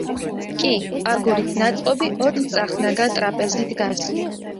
კი აგურით ნაწყობი, ოთხწახნაგა ტრაპეზი დგას.